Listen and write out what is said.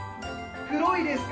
黒いですか？